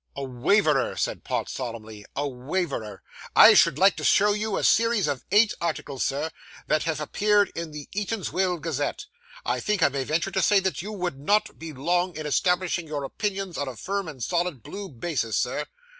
'A waverer,' said Pott solemnly, 'a waverer. I should like to show you a series of eight articles, Sir, that have appeared in the Eatanswill Gazette. I think I may venture to say that you would not be long in establishing your opinions on a firm and solid blue basis, sir.